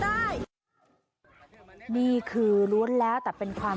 คุณผู้ชมคุณผู้ชมคุณผู้ชม